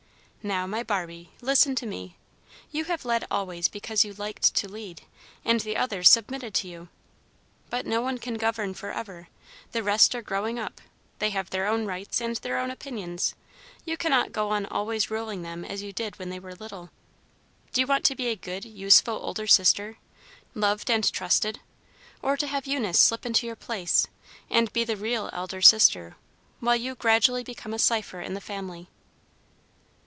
"Now, my Barbie, listen to me. You have led always because you liked to lead, and the others submitted to you. But no one can govern forever. The rest are growing up; they have their own rights and their own opinions. You cannot go on always ruling them as you did when they were little. Do you want to be a good, useful older sister, loved and trusted, or to have Eunice slip into your place, and be the real elder sister, while you gradually become a cipher in the family?"